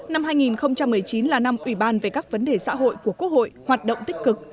năm hai nghìn một mươi chín là năm ủy ban về các vấn đề xã hội của quốc hội hoạt động tích cực